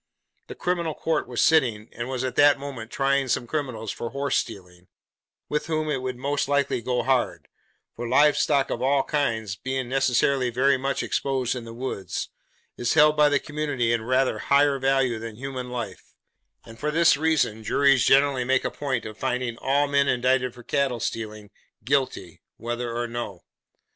The criminal court was sitting, and was at that moment trying some criminals for horse stealing: with whom it would most likely go hard: for live stock of all kinds being necessarily very much exposed in the woods, is held by the community in rather higher value than human life; and for this reason, juries generally make a point of finding all men indicted for cattle stealing, guilty, whether or no.